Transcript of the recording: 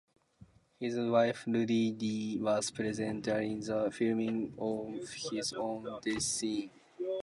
His wife Ruby Dee was present during the filming of his own death scene.